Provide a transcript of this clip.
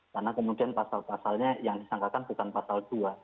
karena kemudian pasal pasalnya yang disangkakan bukan pasal dua